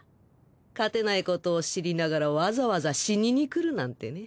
勝てないことを知りながらわざわざ死にに来るなんてね。